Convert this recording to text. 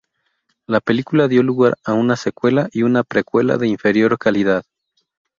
La película dio lugar a una secuela y una precuela de inferior calidad.